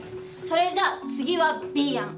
それじゃ次はＢ案。